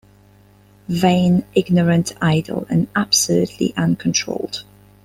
Vain, ignorant, idle, and absolutely uncontrolled!